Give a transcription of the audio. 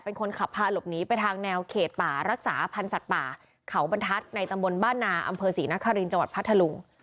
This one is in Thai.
เป็นคนขับพาหลบหนีไปทางแนวเขตป่ารักษาพันธ์สัตว์ป่าเขาบรรทัศน์ในตำบลบ้านนาอำเภอศรีนครินจังหวัดพัทธลุง